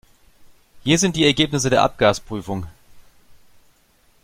Hier sind die Ergebnisse der Abgasprüfung.